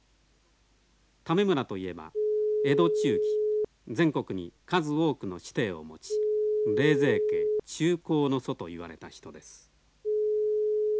為村といえば江戸中期全国に数多くの子弟を持ち冷泉家中興の祖と言われた人です。